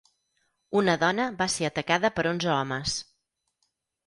Una dona va ser atacada per onze homes.